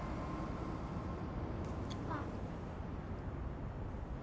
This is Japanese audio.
あっ。